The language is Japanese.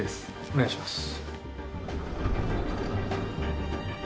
お願いします。